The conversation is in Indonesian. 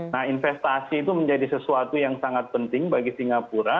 nah investasi itu menjadi sesuatu yang sangat penting bagi singapura